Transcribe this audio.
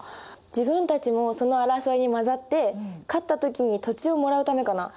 自分たちもその争いに混ざって勝った時に土地をもらうためかな。